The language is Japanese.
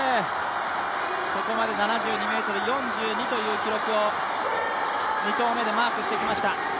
ここまで７２ｍ４２という記録を２投目でマークしてきました。